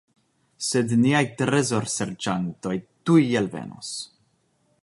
Sed niaj trezorserĉantoj tuj alvenos.